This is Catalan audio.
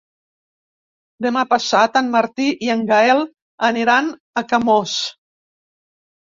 Demà passat en Martí i en Gaël aniran a Camós.